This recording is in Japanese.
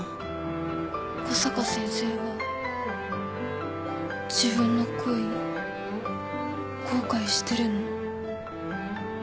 小坂先生は自分の恋後悔してるの？